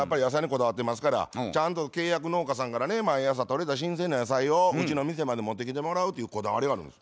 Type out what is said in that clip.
ちゃんと契約農家さんからね毎朝とれた新鮮な野菜をうちの店まで持ってきてもらうというこだわりがあるんです。